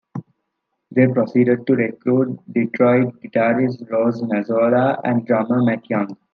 They proceeded to recruit Detroit guitarist Rose Mazzola and drummer Matt Young.